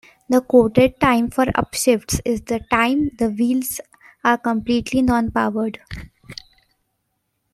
The quoted time for upshifts is the time the wheels are completely non-powered.